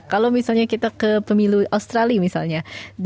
kalau misalnya kita ke pemilu australia misalnya